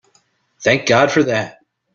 Thank God for that!